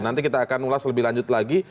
nanti kita akan ulas lebih lanjut lagi